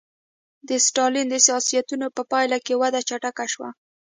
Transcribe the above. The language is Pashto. د ستالین د سیاستونو په پایله کې وده چټکه شوه